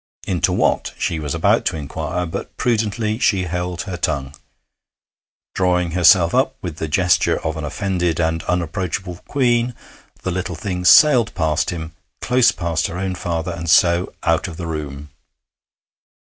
'Into what?' she was about to inquire, but prudently she held her tongue. Drawing, herself up with the gesture of an offended and unapproachable queen, the little thing sailed past him, close past her own father, and so out of the room.